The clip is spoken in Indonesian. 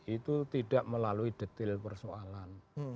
itu tidak melalui detail persoalan